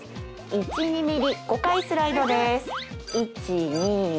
１２ｍｍ５回スライドです。